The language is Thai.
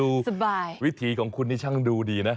อื้อสบายดูวิธีของคุณนี่ช่างดูดีนะ